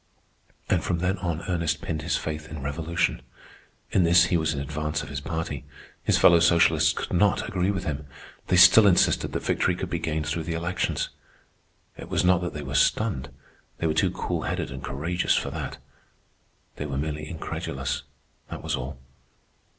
And from then on Ernest pinned his faith in revolution. In this he was in advance of his party. His fellow socialists could not agree with him. They still insisted that victory could be gained through the elections. It was not that they were stunned. They were too cool headed and courageous for that. They were merely incredulous, that was all.